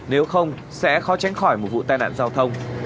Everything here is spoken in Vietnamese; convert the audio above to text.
nếu không sẽ khó tránh khỏi một vụ tai nạn giao thông